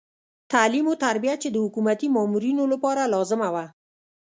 تعلیم او تربیه چې د حکومتي مامورینو لپاره لازمه وه.